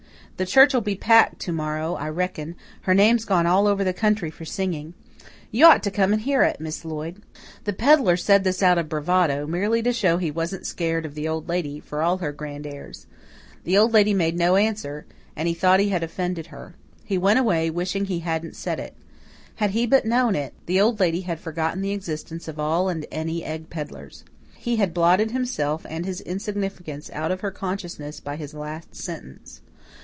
The church'll be packed to morrow, I reckon her name's gone all over the country for singing. You ought to come and hear it, Miss Lloyd." The pedlar said this out of bravado, merely to show he wasn't scared of the Old Lady, for all her grand airs. The Old Lady made no answer, and he thought he had offended her. He went away, wishing he hadn't said it. Had he but known it, the Old Lady had forgotten the existence of all and any egg pedlars. He had blotted himself and his insignificance out of her consciousness by his last sentence.